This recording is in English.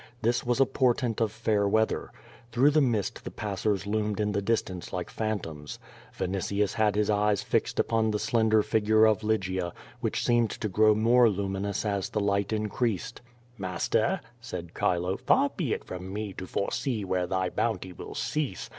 This was a portent of fair weather. Througli that mist the passers loomed in the distance like phantoms. Vinitius had his eyes fixed upon the slender figure of Lygia, which seemed to grow more luminous as the light increased. "Master," said C'hilo, "far be it from me to foresee where thy bounty will cease.